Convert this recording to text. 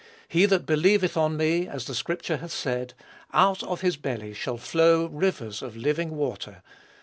He that believeth on me, as the Scripture hath said, out of his belly shall flow rivers of living water."